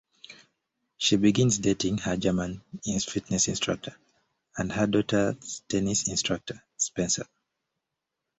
She begins dating her German fitness instructor, and her daughter's tennis instructor, Spencer.